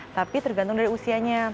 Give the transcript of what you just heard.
tapi tergantung dari usianya